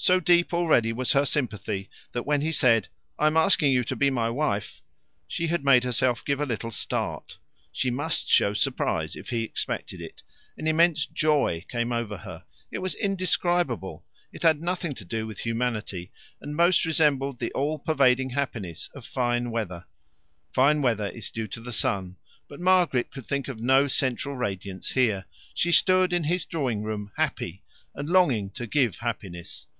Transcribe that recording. So deep already was her sympathy, that when he said, "I am asking you to be my wife," she made herself give a little start. She must show surprise if he expected it. An immense joy came over her. It was indescribable. It had nothing to do with humanity, and most resembled the all pervading happiness of fine weather. Fine weather is due to the sun, but Margaret could think of no central radiance here. She stood in his drawing room happy, and longing to give happiness.